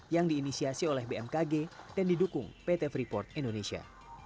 yang diinisiasi oleh bmkg dan didukung pt freeport indonesia